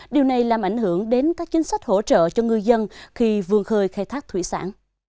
điều này làm ảnh hưởng đến các chính sách hỗ trợ cho ngư dân khi vươn khơi khai thác thủy sản